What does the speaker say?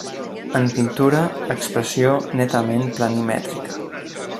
En pintura, expressió netament planimètrica.